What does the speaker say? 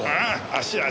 足足！